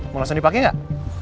mau langsung dipake nggak